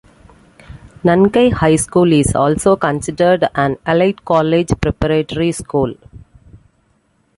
Nankai High School is also considered an elite college-preparatory school.